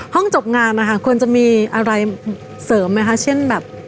ห้องจบงานนะคะควรจะมีอะไรเสริมไหมคะเช่นแบบ